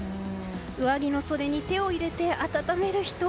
上着の袖に手を入れて温める人。